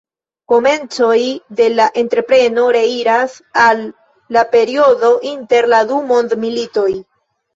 Komencoj de la entrepreno reiras al la periodo inter la du mondmilitoj.